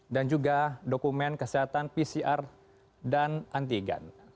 dan juga dokumen kesehatan pcr dan antigen